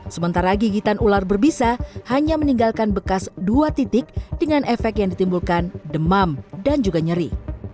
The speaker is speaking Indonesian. sementara gigitan ular berbisa hanya meninggalkan bekas dua titik dengan efek yang ditimbulkan demam dan juga nyeri